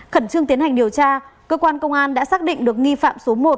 khẩn trương tiến hành điều tra cơ quan công an đã xác định được nghi phạm số một